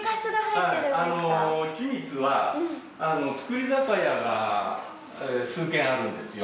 君津は造り酒屋が数軒あるんですよ。